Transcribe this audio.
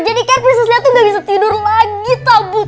jadi kayaknya prinsesnya tuh gak bisa tidur lagi tau bupet